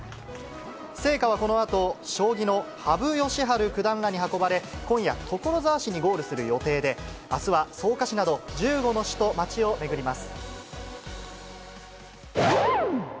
聖火はこのあと、将棋の羽生善治九段らに運ばれ、今夜、所沢市にゴールする予定で、あすは草加市など１５の市と町を巡ります。